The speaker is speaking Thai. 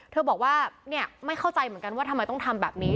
เธอบอกว่าเนี่ยไม่เข้าใจเหมือนกันว่าทำไมต้องทำแบบนี้